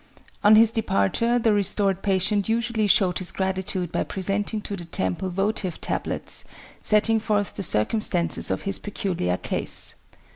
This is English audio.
On his departure, the restored patient usually showed his gratitude by presenting to the temple votive tablets setting forth the circumstances of his peculiar case.